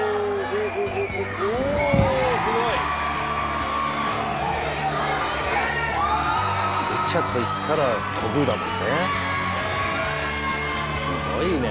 ルチャといったら跳ぶだもんね。